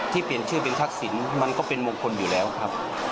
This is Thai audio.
เปลี่ยนชื่อเป็นทักษิณมันก็เป็นมงคลอยู่แล้วครับ